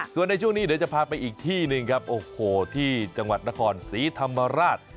ส่วนในช่วงนี้เดี๋ยวจะพาไปอีกที่หนึ่งครับโอ้โหที่จังหวัดนครศรีธรรมราช